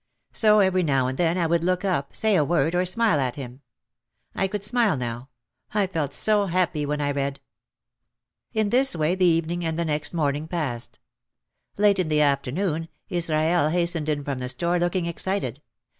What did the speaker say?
So every now and then I would look up, say a word, or smile at him. I could smile now, I felt so happy when I read. In this way the evening and the next morning passed. Late in the afternoon Israel hastened in from the store looking excited.